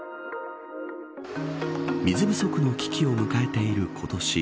水不足の危機を迎えている今年。